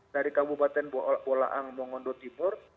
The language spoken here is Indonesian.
dari kabupaten bolaang mongondo timur